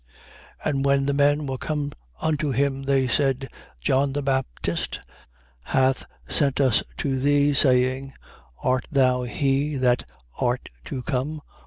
7:20. And when the men were come unto him, they said: John the Baptist hath sent us to thee, saying: Art thou he that art to come?